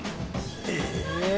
え！